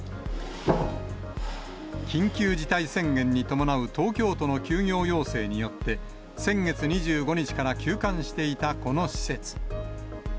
緊急事態宣言に伴う東京都の休業要請によって、先月２５日から休館していたこの施設。